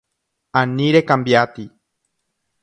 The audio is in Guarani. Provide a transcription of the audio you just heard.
Ani recambiáti.